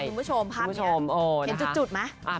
นี่คุณผู้ชมภาพเนี่ยเห็นจุดมั้ย